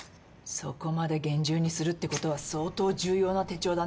そこまで厳重にするってことは相当重要な手帳だね。